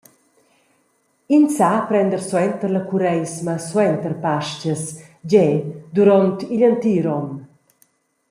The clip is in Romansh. Ins sa prender suenter la cureisma suenter Pastgas, gie, duront igl entir onn.